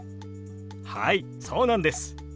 はいそうなんです。